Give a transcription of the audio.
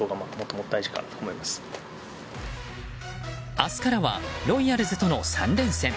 明日からはロイヤルズとの３連戦。